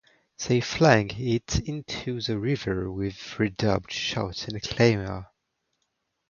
They flung it into the river with redoubled shouts and clamor.